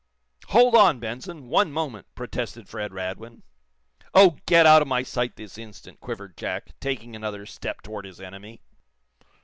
"Hold on, Benson! One moment " protested Fred Radwin. "Oh, get out of my sight, this instant," quivered Jack, taking another step toward his enemy.